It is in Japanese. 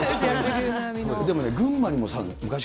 でもね、群馬にも昔さ、